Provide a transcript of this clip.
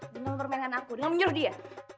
dengan permainan aku dengan menyuruh dia